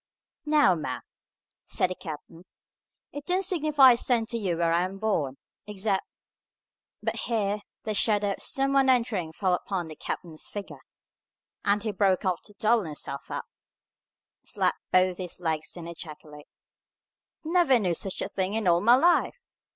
"Now, ma'am," said the captain, "it don't signify a cent to you where I was born, except " But here the shadow of some one entering fell upon the captain's figure, and he broke off to double himself up, slap both his legs, and ejaculate, "Never knew such a thing in all my life!